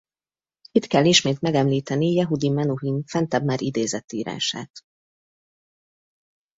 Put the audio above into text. Itt kell ismét megemlíteni Yehudi Menuhin fentebb már idézett írását.